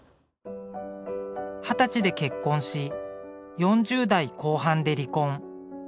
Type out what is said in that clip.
二十歳で結婚し４０代後半で離婚。